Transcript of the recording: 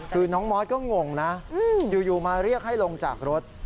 คือน้องมอสก็งงนะอยู่มาเรียกให้ลงจากรถ